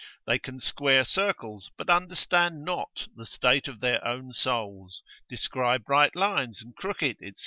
They can square circles, but understand not the state of their own souls, describe right lines and crooked, &c.